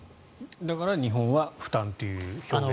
だから日本は負担という表現に。